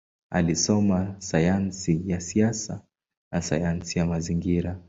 Alisoma sayansi ya siasa na sayansi ya mazingira.